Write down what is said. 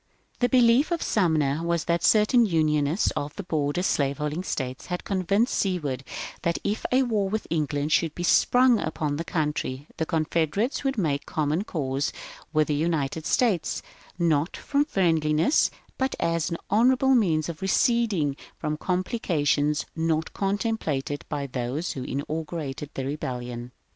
^^ The belief of Sumner was that certain Unionists of the border slaveholding States had convinced Seward that if a war with England should be sprung upon the country the Confederates would make common cause with the United States, not from friendliness but as an honourable means of receding from complications not contemplated by those who inaugurated the Rebellion.